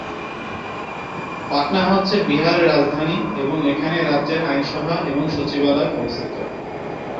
পাটনা হচ্ছে বিহারের রাজধানী এবং এখানে রাজ্যের আইনসভা এবং সচিবালয় অবস্থিত।